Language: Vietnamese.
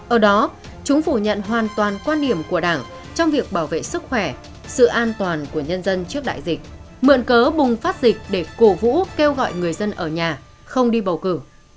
ở đó chúng phủ nhận hoàn toàn quan điểm của đảng trong việc bảo vệ sức khỏe sự an toàn của nhân dân trước đại dịch mượn cớ bùng phát dịch để cổ vũ kêu gọi người dân ở nhà không đi bầu cử